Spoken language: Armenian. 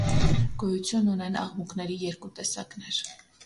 Գոյություն ունեն աղմուկների երկու տեսակներ։